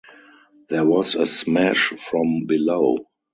There was a smash from below.